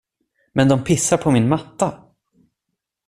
Men de pissar på min matta?